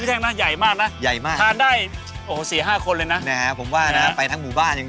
ไม่ได้ใหญ่มากนะพี่แท้งใหญ่มากนะ